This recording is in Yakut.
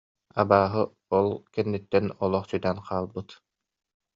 Абааһы ол кэнниттэн олох сүтэн хаалбыт